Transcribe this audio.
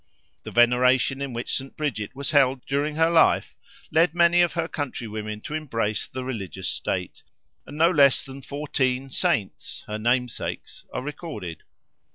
The veneration in which St. Bridget was held during her life, led many of her countrywomen to embrace the religious state, and no less than fourteen Saints, her namesakes, are recorded.